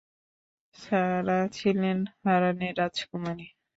Sarah ছিলেন হারানের রাজকুমারী।